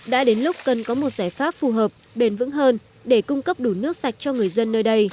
đã đến lúc cần có một giải pháp phù hợp bền vững hơn để cung cấp đủ nước sạch cho người dân nơi đây